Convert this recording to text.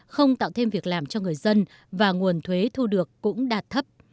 không tạo thêm việc làm cho người dân và nguồn thuế thu được cũng đạt thấp